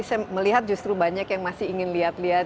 saya melihat justru banyak yang masih ingin lihat lihat